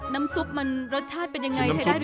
น้ำซุปมันรสชาติเป็นยังไงใช้ได้ไหม